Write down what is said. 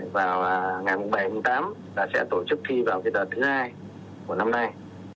vào ngày bảy tám sẽ tổ chức thi vào đợt thứ hai của năm nay